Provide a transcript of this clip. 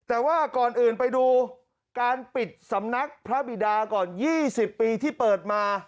แต่ว่าก่อนอื่นไปดูการปิดสำนักพระบิดาก่อน๒๐ปีที่เปิดมา